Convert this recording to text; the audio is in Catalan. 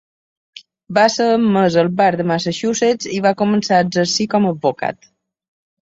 Va ser admès al bar de Massachusetts i va començar a exercir com a advocat.